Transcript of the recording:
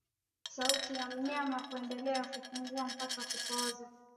Sauti ya mnyama kuendelea kupungua mpaka kupooza